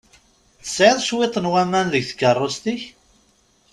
Tesɛiḍ cwiṭ n waman deg tkeṛṛust-ik?